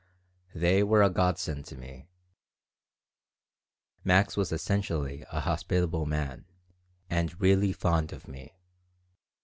They were a godsend to me Max was essentially a hospitable man, and really fond of me.